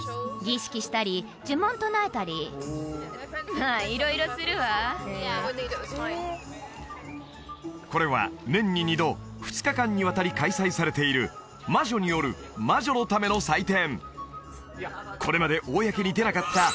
まあ色々するわこれは年に２度２日間にわたり開催されている魔女による魔女のための祭典